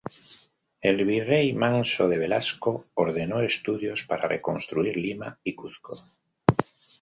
El virrey Manso de Velasco ordenó estudios para reconstruir Lima y Cuzco.